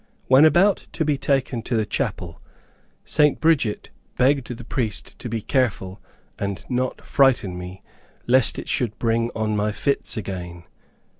When about to be taken to the chapel, St. Bridget begged the priest to be careful and not frighten me, lest it should bring on my fits again.